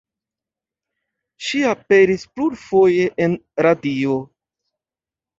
Ŝi aperis plurfoje en radio.